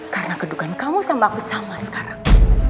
karena kedugaan kamu sama aku sama sekarang